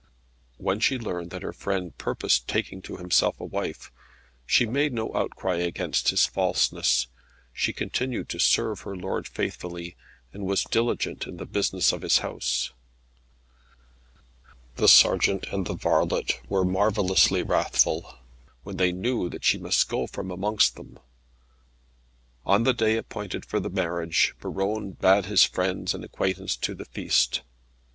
When she learned that her friend purposed taking to himself a wife, she made no outcry against his falseness. She continued to serve her lord faithfully, and was diligent in the business of his house. The sergeant and the varlet were marvellously wrathful, when they knew that she must go from amongst them. On the day appointed for the marriage, Buron bade his friends and acquaintance to the feast.